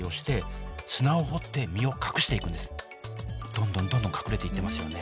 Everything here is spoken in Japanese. どんどんどんどん隠れていってますよね。